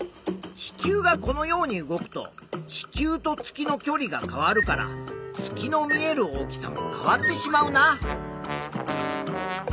地球がこのように動くと地球と月のきょりが変わるから月の見える大きさも変わってしまうな。